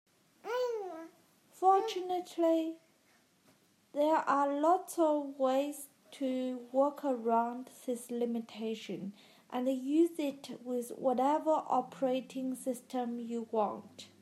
Fortunately, there are lots of ways to work around this limitation and use it with whatever operating system you want.